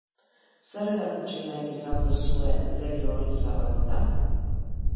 Zer erakutsi nahi izan duzue leiho hori zabalduta?